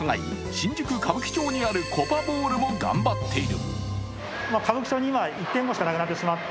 新宿・歌舞伎町にあるコパボウルも頑張っている。